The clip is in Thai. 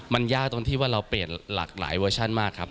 มันยากตรงที่ว่าเราเปลี่ยนหลากหลายเวอร์ชั่นมากครับ